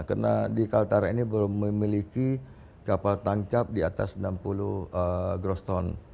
karena di kaltara ini belum memiliki kapal tangkap di atas enam puluh groston